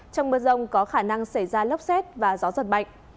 trong mưa rông có khả năng xảy ra lốc xét và gió giật mạnh